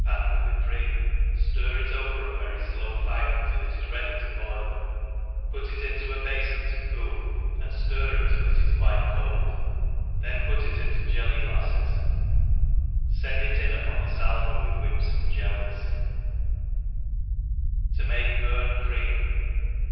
4^^ pan with the cream, ftir it over a very flow fire till it is ready to boil, put it into a bafon to cool^ and ftir it till it is quite cold, then put^ it into jelly glaiTes : fend it in upon a falver with whips andjellie$« To make Burnt Cream.